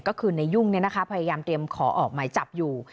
ก็คือในยุ่งเนี่ยนะครับพยายามเตรียมขอออกใหม่จับอยู่